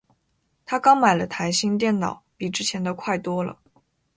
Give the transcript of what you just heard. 她刚买了台新电脑，比之前的快多了。